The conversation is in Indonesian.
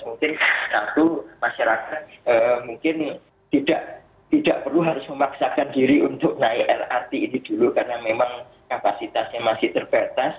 mungkin satu masyarakat mungkin tidak perlu harus memaksakan diri untuk naik lrt ini dulu karena memang kapasitasnya masih terbatas